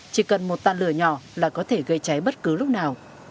chỉ cần một tàn lửa nhỏ là có thể gây cháy bất cứ lúc nào